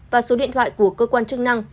và số điện thoại của cơ quan chức năng